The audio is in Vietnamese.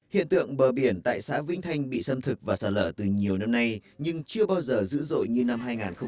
hiện tượng bờ biển tại xã vĩnh thanh bị xâm thực và sạt lở từ nhiều năm nay nhưng chưa bao giờ dữ dội như năm hai nghìn một mươi